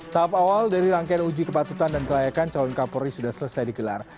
tahap awal dari rangkaian uji kepatutan dan kelayakan calon kapolri sudah selesai digelar